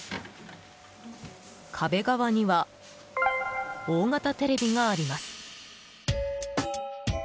壁側には大型テレビがあります。